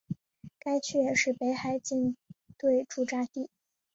该区也是北海舰队驻扎地。